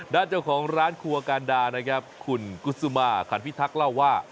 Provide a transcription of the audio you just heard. ด้านเจ้าของร้านครัวการดานะครับคุณกุศุมาขันพิทักษ์เล่าว่า